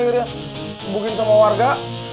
akhirnya hubungin sama warga